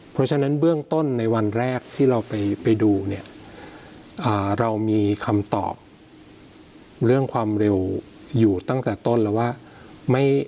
เพราะฉะนั้นเบื้องต้นในวันแรกที่เราไปดูเนี่ยเรามีคำตอบเรื่องความเร็วอยู่ตั้งแต่ต้นแล้วว่า